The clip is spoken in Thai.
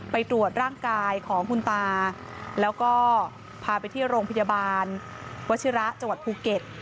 ไปตรวจร่างกายของคุณตาแล้วก็พาไปที่โรงพยาบาลวัชิระจังหวัดภูเก็ต